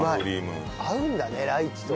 合うんだねライチと。